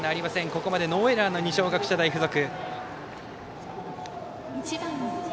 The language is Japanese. ここまでノーエラーの二松学舎大付属。